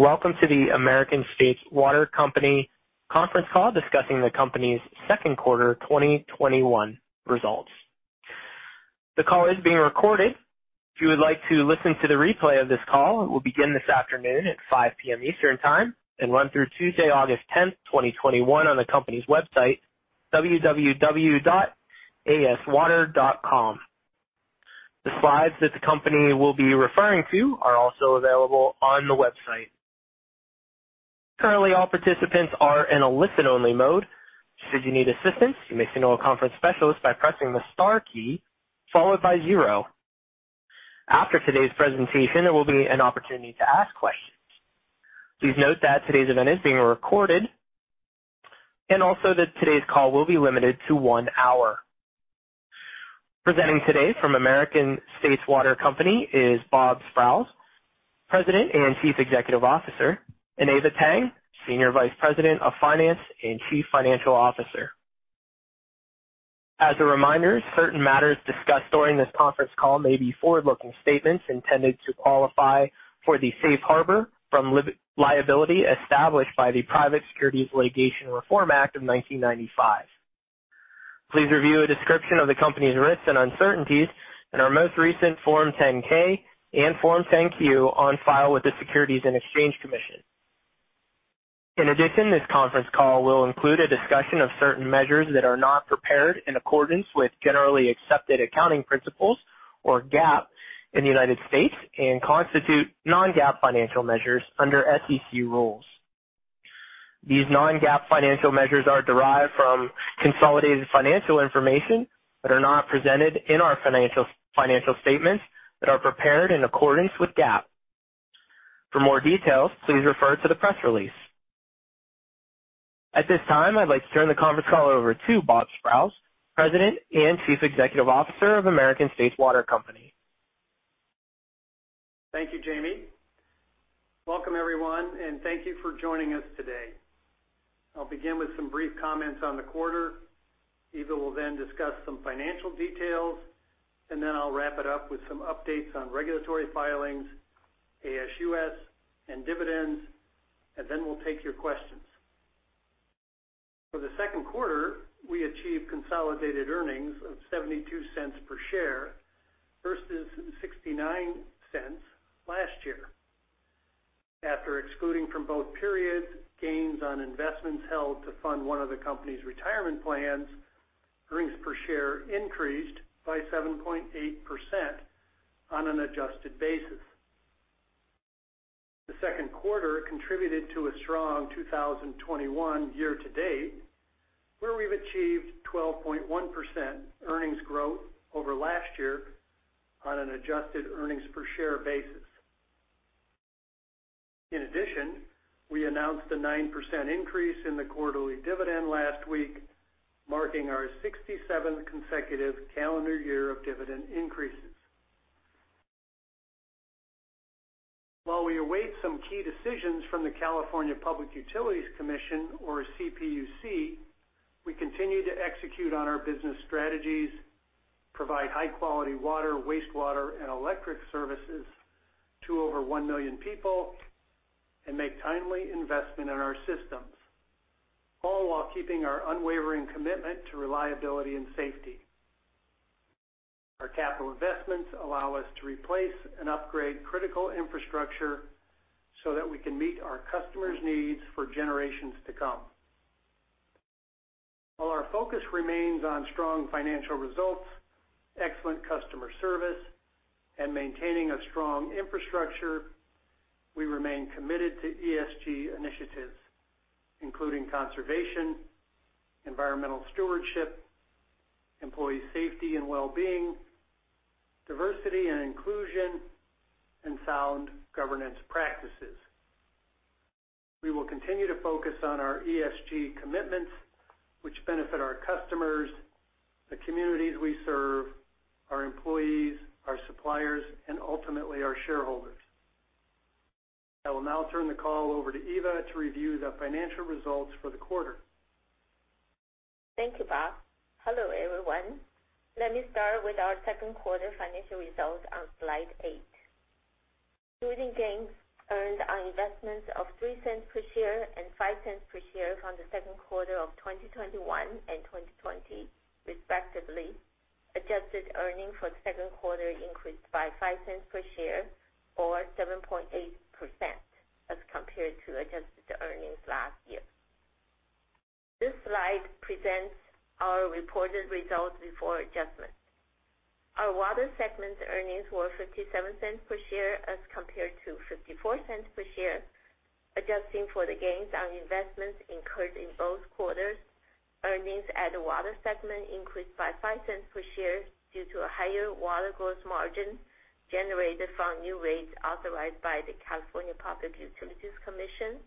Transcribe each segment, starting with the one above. Welcome to the American States Water Company conference call discussing the company's second quarter 2021 results. The call is being recorded. If you would like to listen to the replay of this call, it will begin this afternoon at 5:00 P.M. Eastern Time and run through Tuesday, August 10, 2021 on the company's website, www.aswater.com. The slides that the company will be referring to are also available on the website. Currently, all participants are in a listen-only mode. Should you need assistance, you may signal a conference specialist by pressing the star key followed by zero. After today's presentation, there will be an opportunity to ask questions. Please note that today's event is being recorded, and also that today's call will be limited to one hour. Presenting today from American States Water Company is Robert Sprowls, President and Chief Executive Officer, and Eva Tang, Senior Vice President of Finance and Chief Financial Officer. As a reminder, certain matters discussed during this conference call may be forward-looking statements intended to qualify for the safe harbor from liability established by the Private Securities Litigation Reform Act of 1995. Please review a description of the company's risks and uncertainties in our most recent Form 10-K and Form 10-Q on file with the Securities and Exchange Commission. In addition, this conference call will include a discussion of certain measures that are not prepared in accordance with generally accepted accounting principles, or GAAP in the United States, and constitute non-GAAP financial measures under SEC rules. These non-GAAP financial measures are derived from consolidated financial information that are not presented in our financial statements that are prepared in accordance with GAAP. For more details, please refer to the press release. At this time, I'd like to turn the conference call over to Robert Sprowls, President and Chief Executive Officer of American States Water Company. Thank you, Jamie. Welcome, everyone, and thank you for joining us today. I'll begin with some brief comments on the quarter. Eva will then discuss some financial details, and then I'll wrap it up with some updates on regulatory filings, ASUS, and dividends, and then we'll take your questions. For the second quarter, we achieved consolidated earnings of $0.72 per share versus $0.69 last year. After excluding from both periods gains on investments held to fund one of the company's retirement plans, earnings per share increased by 7.8% on an adjusted basis. The second quarter contributed to a strong 2021 year-to-date, where we've achieved 12.1% earnings growth over last year on an adjusted earnings per share basis. In addition, we announced a 9% increase in the quarterly dividend last week, marking our 67th consecutive calendar year of dividend increases. While we await some key decisions from the California Public Utilities Commission, or CPUC, we continue to execute on our business strategies, provide high-quality water, wastewater, and electric services to over 1 million people, and make timely investment in our systems, all while keeping our unwavering commitment to reliability and safety. Our capital investments allow us to replace and upgrade critical infrastructure so that we can meet our customers' needs for generations to come. While our focus remains on strong financial results, excellent customer service, and maintaining a strong infrastructure, we remain committed to ESG initiatives, including conservation, environmental stewardship, employee safety and wellbeing, diversity and inclusion, and sound governance practices. We will continue to focus on our ESG commitments, which benefit our customers, the communities we serve, our employees, our suppliers, and ultimately, our shareholders. I will now turn the call over to Eva to review the financial results for the quarter. Thank you, Robert. Hello, everyone. Let me start with our second quarter financial results on slide eight. Including gains earned on investments of $0.03 per share and $0.05 per share from the second quarter of 2021 and 2020, respectively, adjusted earning for the second quarter increased by $0.05 per share, or 7.8%, as compared to adjusted earnings last year. This slide presents our reported results before adjustments. Our water segment earnings were $0.57 per share as compared to $0.54 per share. Adjusting for the gains on investments incurred in both quarters, earnings at the water segment increased by $0.05 per share due to a higher water gross margin generated from new rates authorized by the California Public Utilities Commission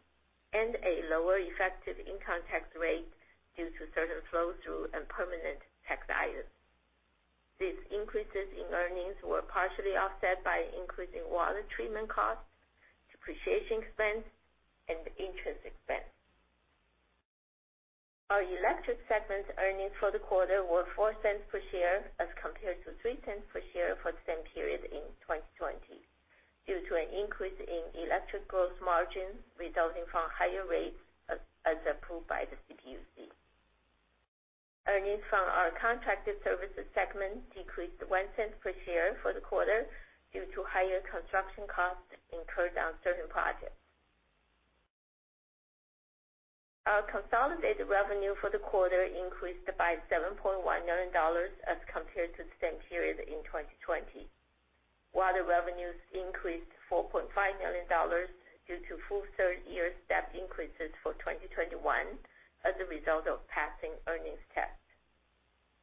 and a lower effective income tax rate due to certain flow-through and permanent tax items. These increases in earnings were partially offset by increasing water treatment costs, depreciation expense, and interest expense. Our electric segment earnings for the quarter were $0.04 per share as compared to $0.03 per share for the same period in 2020, due to an increase in electric growth margin resulting from higher rates as approved by the CPUC. Earnings from our Contracted Services Segment decreased $0.01 per share for the quarter due to higher construction costs incurred on certain projects. Our consolidated revenue for the quarter increased by $7.1 million as compared to the same period in 2020. Water revenues increased to $4.5 million due to full third-year step increases for 2021 as a result of passing earnings tests.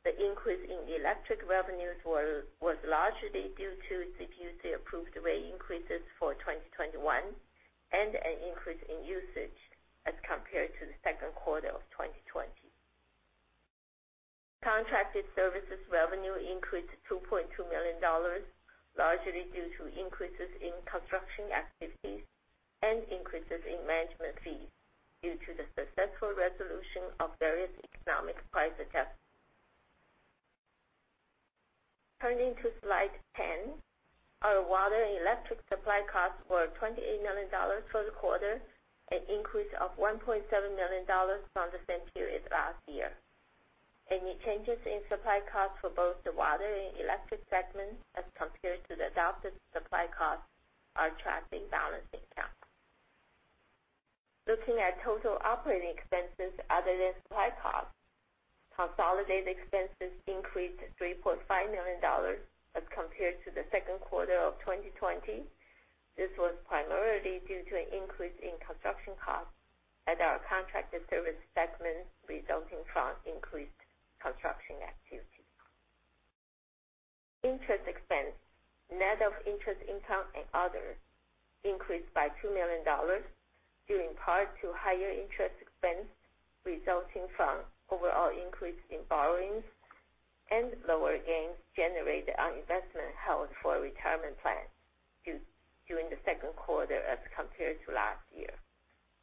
The increase in electric revenues was largely due to CPUC-approved rate increases for 2021 and an increase in usage as compared to the second quarter of 2020. Contracted Services revenue increased to $2.2 million, largely due to increases in construction activities and increases in management fees due to the successful resolution of various economic price adjustments. Turning to slide 10, our water and electric supply costs were $28 million for the quarter, an increase of $1.7 million from the same period last year. Any changes in supply costs for both the water and electric segments as compared to the adopted supply costs are tracked in balance accounts. Looking at total operating expenses other than supply costs, consolidated expenses increased to $3.5 million as compared to the second quarter of 2020. This was primarily due to an increase in construction costs at our Contracted Services segment, resulting from increased construction activity. Interest expense, net of interest income and others, increased by $2 million, due in part to higher interest expense resulting from overall increase in borrowings and lower gains generated on investment held for retirement plans during the second quarter as compared to last year,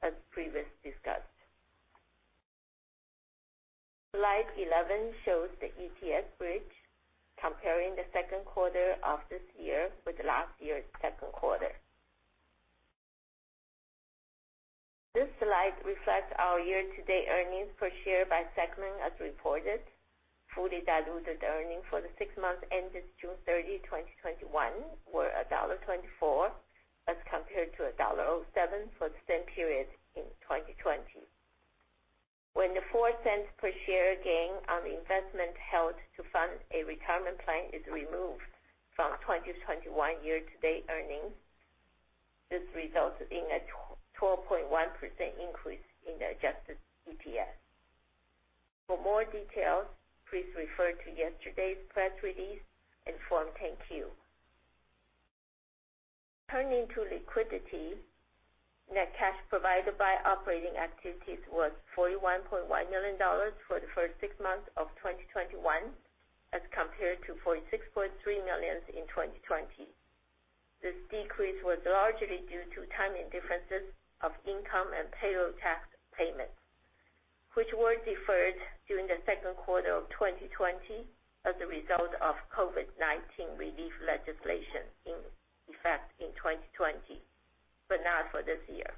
as previously discussed. Slide 11 shows the EPS bridge comparing the second quarter of this year with last year's second quarter. This slide reflects our year-to-date earnings per share by segment as reported. Fully diluted earnings for the six months ended June 30, 2021, were $1.24 as compared to $1.07 for the same period in 2020. When the $0.04 per share gain on the investment held to fund a retirement plan is removed from 2021 year-to-date earnings, this results in a 12.1% increase in the Adjusted EPS. For more details, please refer to yesterday's press release and Form 10-Q. Turning to liquidity, net cash provided by operating activities was $41.1 million for the first six months of 2021 as compared to $46.3 million in 2020. This decrease was largely due to timing differences of income and payroll tax payments, which were deferred during the second quarter of 2020 as a result of COVID-19 relief legislation in effect in 2020, but not for this year.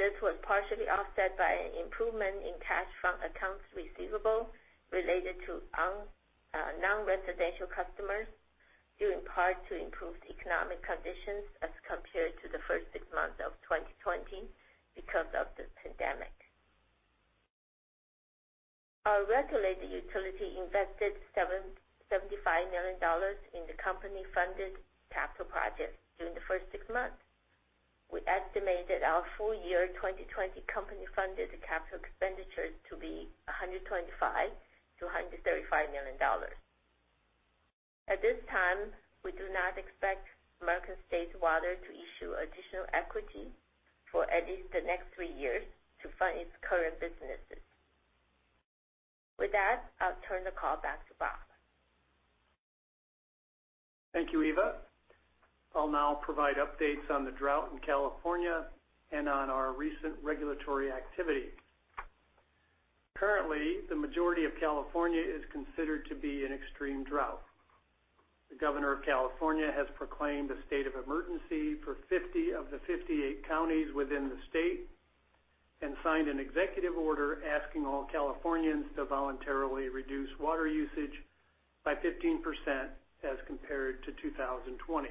This was partially offset by an improvement in cash from accounts receivable related to non-residential customers, due in part to improved economic conditions as compared to the first six months of 2020 because of the pandemic. Our regulated utility invested $75 million in the company-funded capital projects during the first six months. We estimated our full-year 2020 company-funded capital expenditures to be $125 million-$135 million. At this time, we do not expect American States Water to issue additional equity for at least the next three years to fund its current businesses. With that, I'll turn the call back to Robert. Thank you, Eva. I'll now provide updates on the drought in California and on our recent regulatory activity. Currently, the majority of California is considered to be in extreme drought. The Governor of California has proclaimed a state of emergency for 50 of the 58 counties within the state and signed an executive order asking all Californians to voluntarily reduce water usage by 15% as compared to 2020.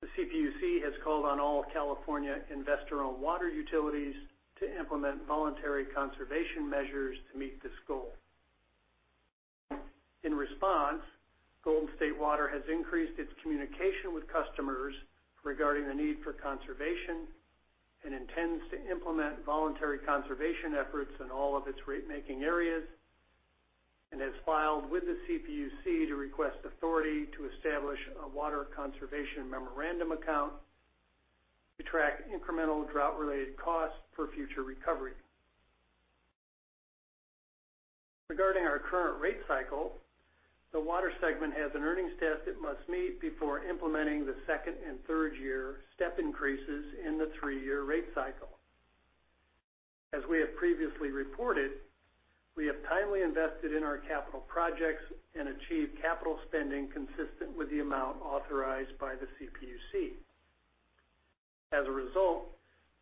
The CPUC has called on all California investor-owned water utilities to implement voluntary conservation measures to meet this goal. In response, Golden State Water has increased its communication with customers regarding the need for conservation and intends to implement voluntary conservation efforts in all of its rate-making areas, and has filed with the CPUC to request authority to establish a water conservation memorandum account to track incremental drought-related costs for future recovery. Regarding our current rate cycle, the water segment has an earnings test it must meet before implementing the second and third year step increases in the three-year rate cycle. As we have previously reported, we have timely invested in our capital projects and achieved capital spending consistent with the amount authorized by the CPUC. As a result,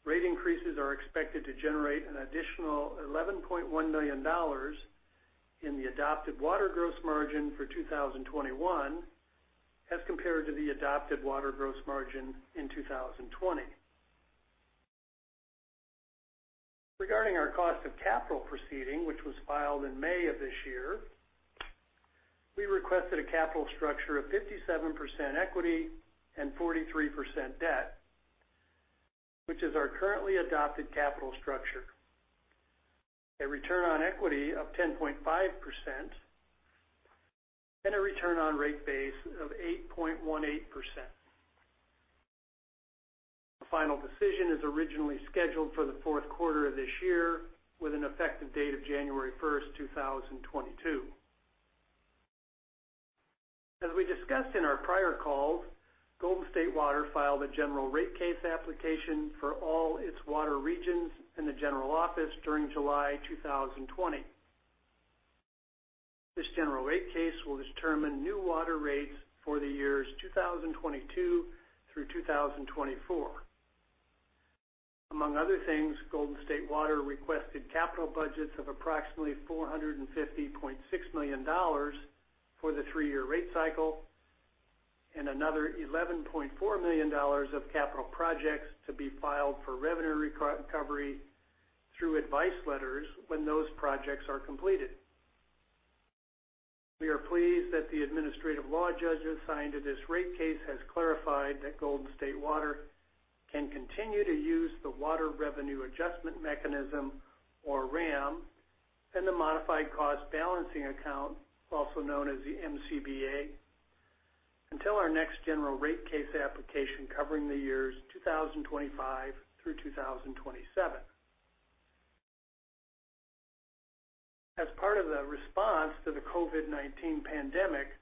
rate increases are expected to generate an additional $11.1 million in the adopted water gross margin for 2021 as compared to the adopted water gross margin in 2020. Regarding our cost of capital proceeding, which was filed in May of this year, we requested a capital structure of 57% equity and 43% debt, which is our currently adopted capital structure, a return on equity of 10.5%, and a return on rate base of 8.18%. A final decision is originally scheduled for the fourth quarter of this year with an effective date of January 1st, 2022. As we discussed in our prior calls, Golden State Water filed a general rate case application for all its water regions and the general office during July 2020. This general rate case will determine new water rates for the years 2022 through 2024. Among other things, Golden State Water requested capital budgets of approximately $450.6 million for the three-year rate cycle and another $11.4 million of capital projects to be filed for revenue recovery through advice letters when those projects are completed. We are pleased that the administrative law judge assigned to this rate case has clarified that Golden State Water can continue to use the Water Revenue Adjustment Mechanism, or WRAM, and the Modified Cost Balancing Account, also known as the MCBA, until our next general rate case application covering the years 2025 through 2027. As part of the response to the COVID-19 pandemic,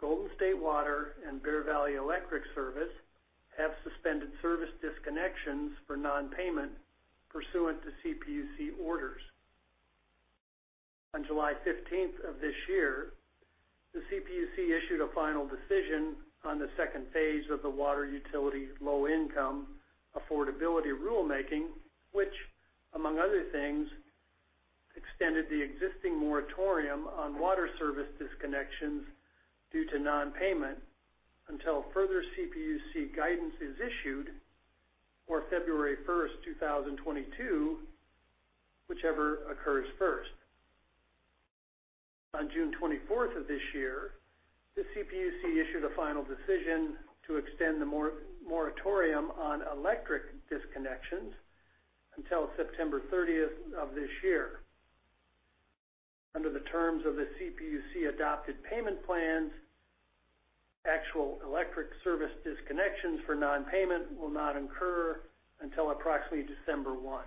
Golden State Water and Bear Valley Electric Service have suspended service disconnections for non-payment pursuant to CPUC orders. On July 15th of this year, the CPUC issued a final decision on the second phase of the water utility low-income affordability rulemaking, which, among other things, extended the existing moratorium on water service disconnections due to non-payment until further CPUC guidance is issued, or February 1st, 2022, whichever occurs first. On June 24th of this year, the CPUC issued a final decision to extend the moratorium on electric disconnections until September 30th of this year. Under the terms of the CPUC-adopted payment plans, actual electric service disconnections for non-payment will not incur until approximately December 1.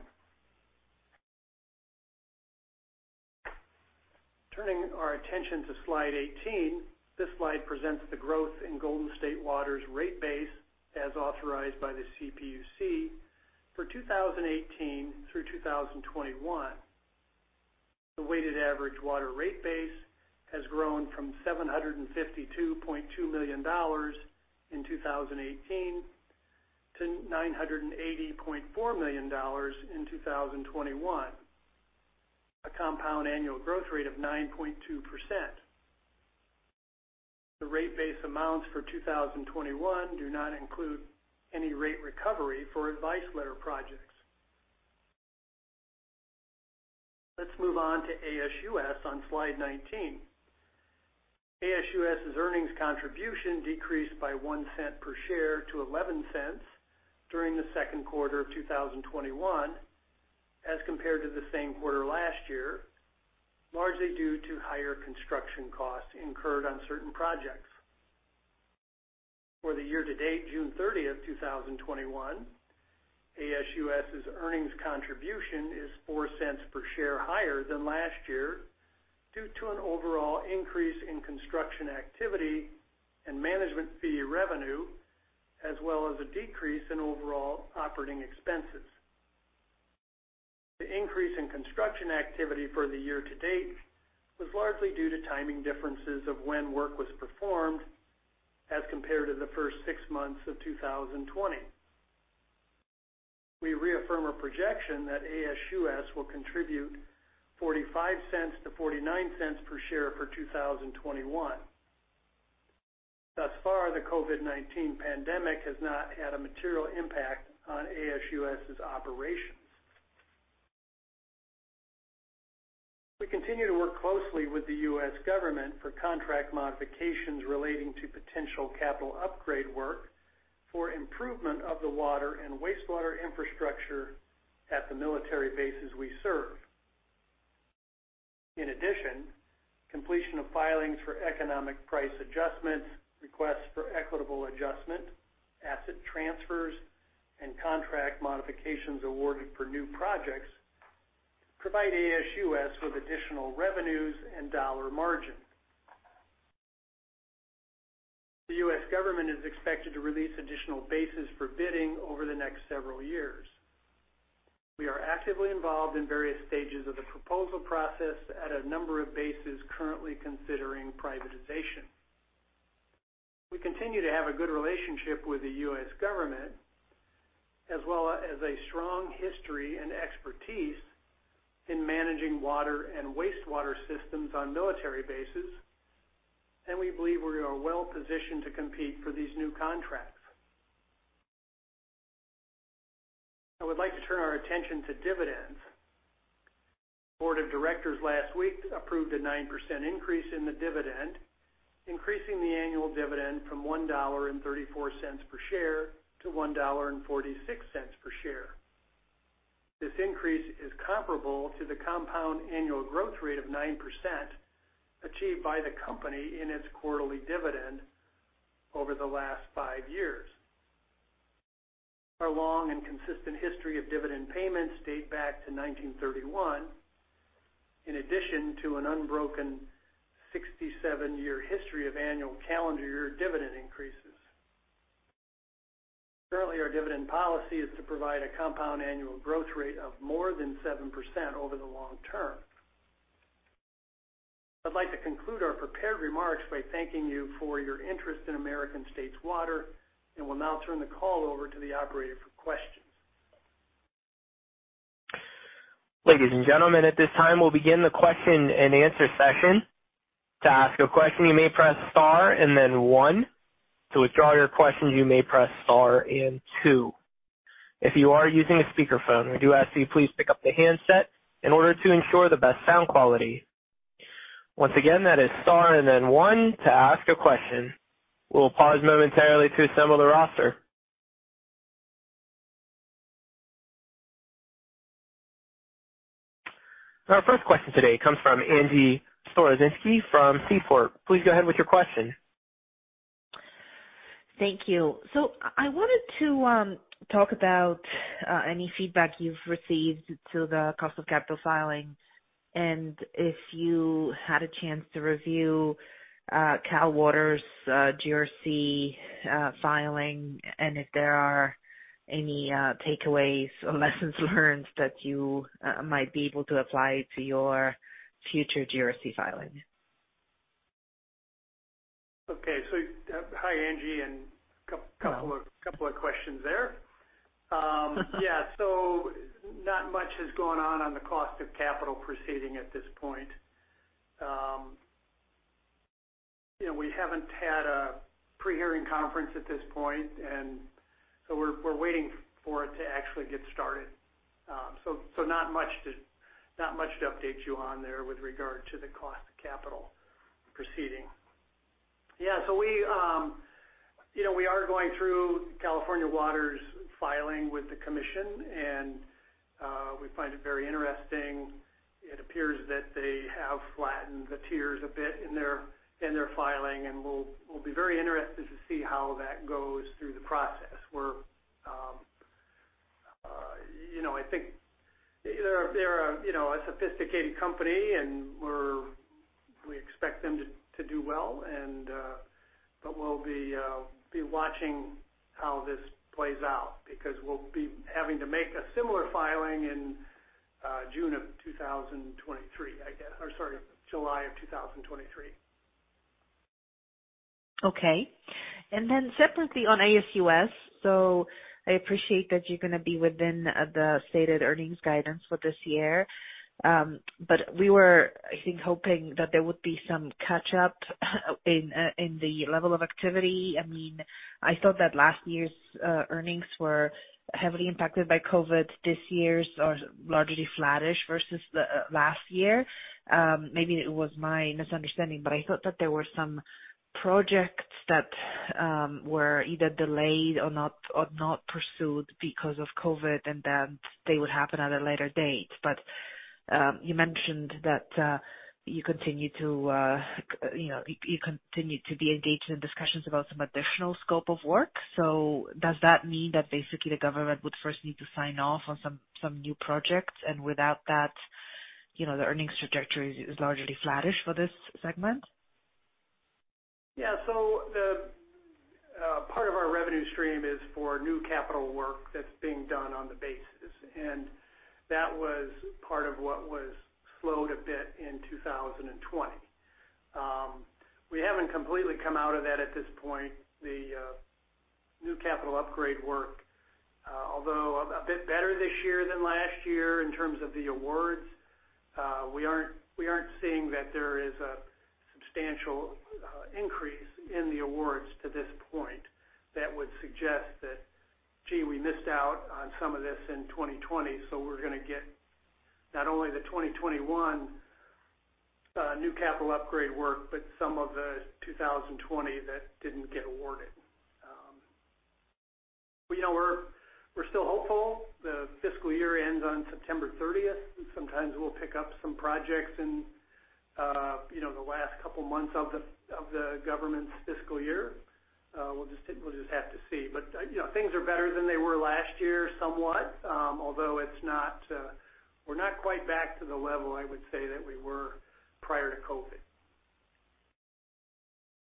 Turning our attention to slide 18, this slide presents the growth in Golden State Water's rate base as authorized by the CPUC for 2018 through 2021. The weighted average water rate base has grown from $752.2 million in 2018 to $980.4 million in 2021, a compound annual growth rate of 9.2%. The rate base amounts for 2021 do not include any rate recovery for advice letter projects. Let's move on to ASUS on slide 19. ASUS's earnings contribution decreased by $0.01 per share to $0.11 during the second quarter of 2021 as compared to the same quarter last year, largely due to higher construction costs incurred on certain projects. For the year to date, June 30th, 2021, ASUS's earnings contribution is $0.04 per share higher than last year due to an overall increase in construction activity and management fee revenue, as well as a decrease in overall operating expenses. The increase in construction activity for the year to date was largely due to timing differences of when work was performed as compared to the first six months of 2020. We reaffirm our projection that ASUS will contribute $0.45-$0.49 per share for 2021. Thus far, the COVID-19 pandemic has not had a material impact on ASUS's operations. We continue to work closely with the U.S. government for contract modifications relating to potential capital upgrade work for improvement of the water and wastewater infrastructure at the military bases we serve. In addition, completion of filings for economic price adjustments, requests for equitable adjustment, asset transfers, and contract modifications awarded for new projects provide ASUS with additional revenues and dollar margin. The U.S. government is expected to release additional bases for bidding over the next several years. We are actively involved in various stages of the proposal process at a number of bases currently considering privatization. We continue to have a good relationship with the U.S. government, as well as a strong history and expertise in managing water and wastewater systems on military bases, and we believe we are well positioned to compete for these new contracts. I would like to turn our attention to dividends. Board of directors last week approved a 9% increase in the dividend, increasing the annual dividend from $1.34 per share to $1.46 per share. This increase is comparable to the compound annual growth rate of 9% achieved by the company in its quarterly dividend over the last five years. Our long and consistent history of dividend payments date back to 1931, in addition to an unbroken 67-year history of annual calendar year dividend increases. Currently, our dividend policy is to provide a compound annual growth rate of more than 7% over the long term. I'd like to conclude our prepared remarks by thanking you for your interest in American States Water, and will now turn the call over to the operator for questions. Ladies and gentlemen, at this time, we'll begin the question-and-answer session. To ask a question, you may press star and then one. To withdraw your question, you may press star and two. If you are using a speakerphone, we do ask that you please pick up the handset in order to ensure the best sound quality. Once again, that is star and then one to ask a question. We'll pause momentarily to assemble the roster. Our first question today comes from Angie Storozynski from Seaport Global. Please go ahead with your question. Thank you. I wanted to talk about any feedback you've received to the cost of capital filing and if you had a chance to review Cal Water's GRC filing, and if there are any takeaways or lessons learned that you might be able to apply to your future GRC filing. Okay. Hi, Angie, and couple of questions there. Not much has gone on the cost of capital proceeding at this point. We haven't had a pre-hearing conference at this point, we're waiting for it to actually get started. Not much to update you on there with regard to the cost of capital proceeding. We are going through California Water's filing with the commission, and we find it very interesting. It appears that they have flattened the tiers a bit in their filing, and we'll be very interested to see how that goes through the process, where I think they're a sophisticated company, and we expect them to do well. We'll be watching how this plays out because we'll be having to make a similar filing in June of 2023, I guess, or sorry, July of 2023. Okay. Separately on ASUS. I appreciate that you're going to be within the stated earnings guidance for this year. We were, I think, hoping that there would be some catch up in the level of activity. I thought that last year's earnings were heavily impacted by COVID. This year's are largely flattish versus last year. Maybe it was my misunderstanding, but I thought that there were some projects that were either delayed or not pursued because of COVID, and that they would happen at a later date. You mentioned that you continue to be engaged in discussions about some additional scope of work. Does that mean that basically the government would first need to sign off on some new projects, and without that, the earnings trajectory is largely flattish for this segment? Yeah. Part of our revenue stream is for new capital work that's being done on the bases, and that was part of what was slowed a bit in 2020. We haven't completely come out of that at this point. The new capital upgrade work, although a bit better this year than last year in terms of the awards, we aren't seeing that there is a substantial increase in the awards to this point that would suggest that, "Gee, we missed out on some of this in 2020, so we're going to get not only the 2021 new capital upgrade work, but some of the 2020 that didn't get awarded." We're still hopeful. The fiscal year ends on September 30th. Sometimes we'll pick up some projects in the last couple months of the government's fiscal year. We'll just have to see. Things are better than they were last year, somewhat. Although we're not quite back to the level, I would say, that we were prior to COVID.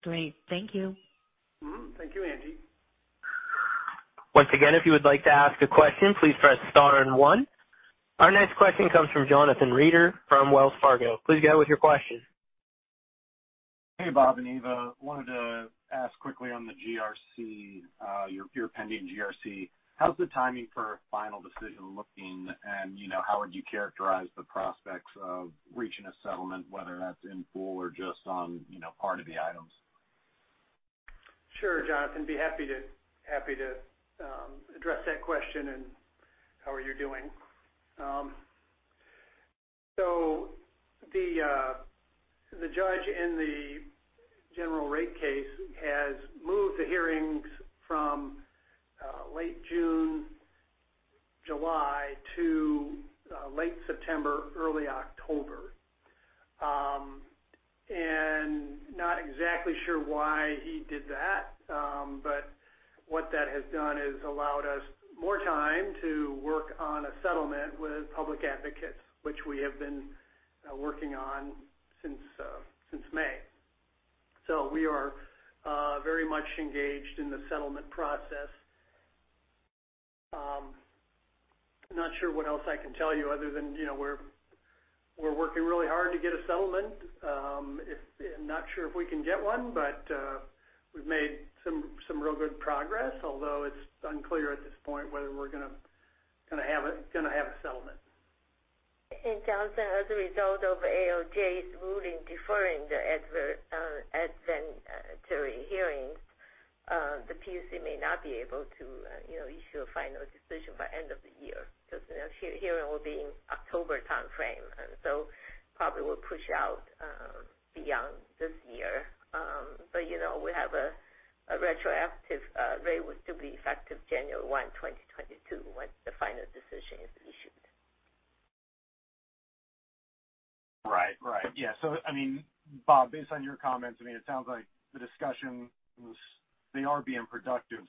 Great. Thank you. Mm-hmm. Thank you, Angie. Once again, if you would like to ask a question, please press star and one. Our next question comes from Jonathan Reeder from Wells Fargo. Please go with your question. Hey, Robert and Eva. Wanted to ask quickly on the GRC, your pending GRC. How's the timing for a final decision looking, and how would you characterize the prospects of reaching a settlement, whether that's in full or just on part of the items? Sure, Jonathan, be happy to address that question. How are you doing? The judge in the general rate case has moved the hearings from late June, July, to late September, early October. Not exactly sure why he did that. What that has done is allowed us more time to work on a settlement with Public Advocates, which we have been working on since May. We are very much engaged in the settlement process. I'm not sure what else I can tell you other than we're working really hard to get a settlement. I'm not sure if we can get one, but we've made some real good progress, although it's unclear at this point whether we're going to have a settlement. Jonathan, as a result of ALJ's ruling deferring the evidentiary hearings, the PUC may not be able to issue a final decision by end of the year because the hearing will be in October timeframe. Probably will push out beyond this year. We have a retroactive rate, to be effective January 1, 2022, once the final decision is issued. Right. Yeah. Robert, based on your comments, it sounds like the discussions, they are being productive.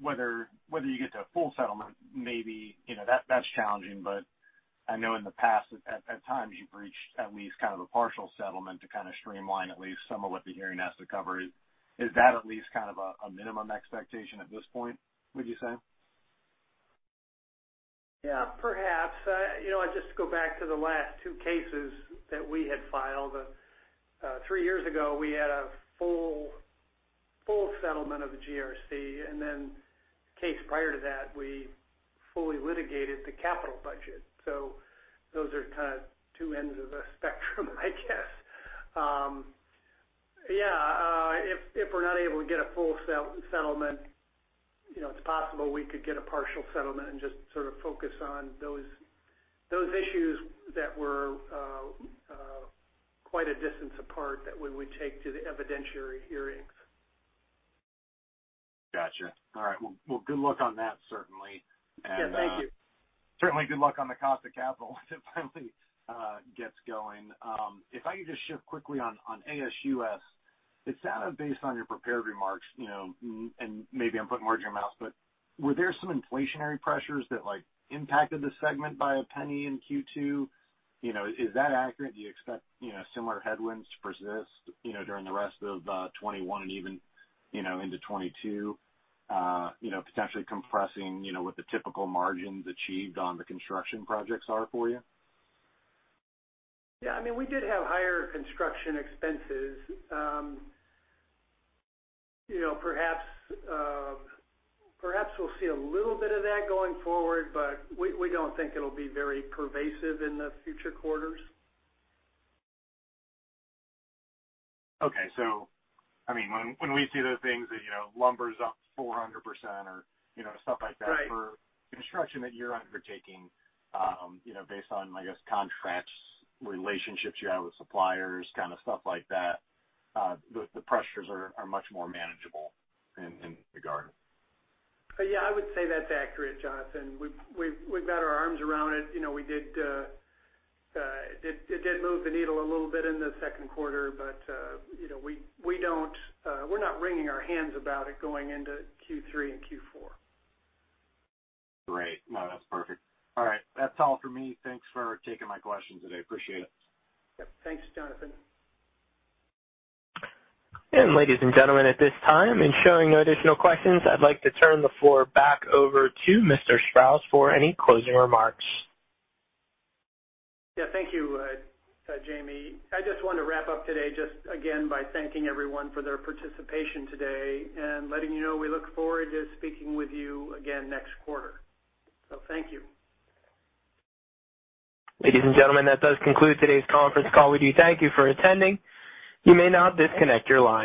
Whether you get to a full settlement, maybe that's challenging, but I know in the past, at times, you've reached at least kind of a partial settlement to kind of streamline at least some of what the hearing has to cover. Is that at least kind of a minimum expectation at this point, would you say? Yeah, perhaps. I just go back to the last two cases that we had filed. Three years ago, we had a full settlement of the GRC, case prior to that, we fully litigated the capital budget. Those are kind of two ends of a spectrum, I guess. Yeah, if we're not able to get a full settlement, it's possible we could get a partial settlement and just sort of focus on those issues that were quite a distance apart that we would take to the evidentiary hearings. Got you. All right. Well, good luck on that, certainly. Yeah. Thank you. Certainly good luck on the cost of capital when it finally gets going. If I could just shift quickly on ASUS. It sounded, based on your prepared remarks, and maybe I'm putting words in your mouth, but were there some inflationary pressures that impacted the segment by $0.01 in Q2? Is that accurate? Do you expect similar headwinds to persist during the rest of 2021 and even into 2022, potentially compressing what the typical margins achieved on the construction projects are for you? Yeah, we did have higher construction expenses. Perhaps we'll see a little bit of that going forward, but we don't think it'll be very pervasive in the future quarters. Okay. When we see the things that lumber's up 400% or stuff like that. Right For construction that you're undertaking based on, I guess, contracts, relationships you have with suppliers, kind of stuff like that, the pressures are much more manageable in that regard. Yeah, I would say that's accurate, Jonathan. We've got our arms around it. It did move the needle a little bit in the second quarter, but we're not wringing our hands about it going into Q3 and Q4. Great. No, that's perfect. All right. That's all for me. Thanks for taking my question today. Appreciate it. Yep. Thanks, Jonathan. Ladies and gentlemen, at this time, in showing no additional questions, I'd like to turn the floor back over to Mr. Sprowls for any closing remarks. Yeah. Thank you, Jamie. I just want to wrap up today just again by thanking everyone for their participation today and letting you know we look forward to speaking with you again next quarter. Thank you. Ladies and gentlemen, that does conclude today's conference call. We do thank you for attending. You may now disconnect your line.